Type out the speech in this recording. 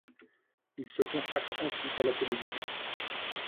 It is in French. Il se consacre ensuite à la télévision.